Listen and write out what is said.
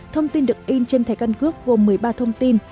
thông tin được in trên thẻ căn cước gồm một mươi ba thông tin